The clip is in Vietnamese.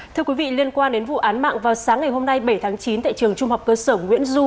thưa quý vị liên quan đến vụ án mạng vào sáng ngày hôm nay bảy tháng chín tại trường trung học cơ sở nguyễn du